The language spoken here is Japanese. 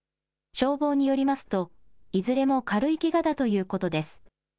消防によりますと、いずれも軽いけがだということです。